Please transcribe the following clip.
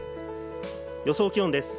予想気温です。